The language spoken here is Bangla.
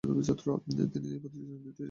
তিনি ঐ প্রতিযোগিতায় দুই টেস্টে অংশ নিয়েছিলেন।